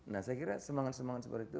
nah saya kira semangat semangat seperti itu